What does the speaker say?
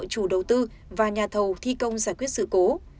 chủ đầu tư và nhà thầu thi công giải quyết sự cố